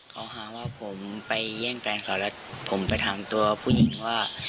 เขาหาว่าผมไปแย่งแฟนเขาแล้วผมไปถามตัวผู้หญิงว่า